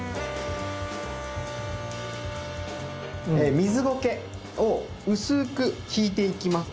水ゴケを薄く敷いていきます。